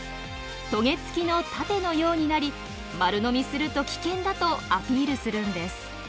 トゲ付きの盾のようになり丸飲みすると危険だとアピールするんです。